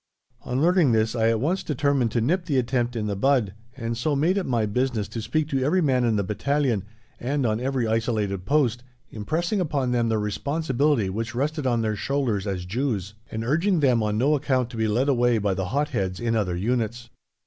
On learning this, I at once determined to nip the attempt in the bud, and so made it my business to speak to every man in the battalion, and on every isolated post, impressing upon them the responsibility which rested on their shoulders as Jews, and urging them on no account to be led away by the hot heads in other units.